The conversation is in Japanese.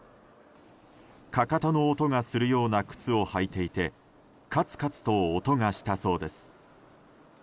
かかとの音がするような靴を履いていてカツカツと音がしたそうです。